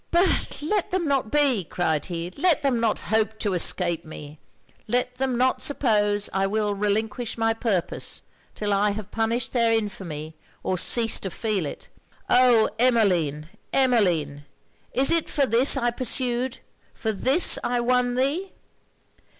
'But let them not,' cried he 'let them not hope to escape me! Let them not suppose I will relinquish my purpose 'till I have punished their infamy or cease to feel it! Oh, Emmeline! Emmeline! is it for this I pursued for this I won thee!'